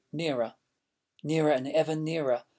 III. NEARER Nearer and ever nearer....